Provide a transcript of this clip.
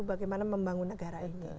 bagaimana membangun negara ini